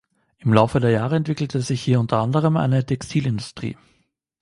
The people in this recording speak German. Im Laufe der Jahre entwickelte sich hier unter anderem eine Textilindustrie.